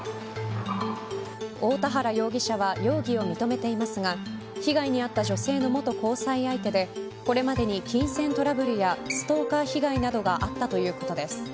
大田原容疑者は容疑を認めていますが被害に遭った女性の元交際相手でこれまでに金銭トラブルやストーカー被害などがあったということです。